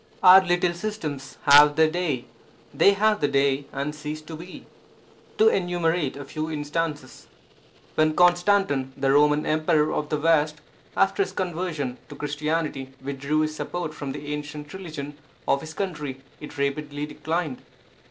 Our little systems have their day ; They have their day and cease to be. To enumerate a few instances. When Constantine, the Roman Emperor of the West, after his conversion to Christianity, withdrew his support from the ancient religion of his country, it rapidly declined.